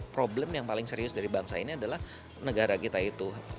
problem yang paling serius dari bangsa ini adalah negara kita itu